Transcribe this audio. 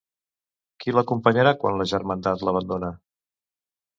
Qui l'acompanyarà quan la Germandat l'abandona?